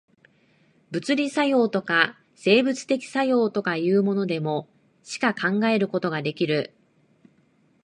物理作用とか、生物的作用とかいうものでも、しか考えることができる。